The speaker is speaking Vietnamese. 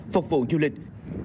phục vụ du lịch